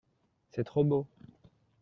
C’est trop beau.